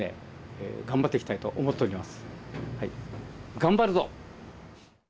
頑張るぞ。